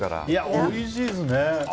おいしいですね。